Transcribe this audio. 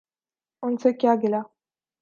ان سے کیا گلہ۔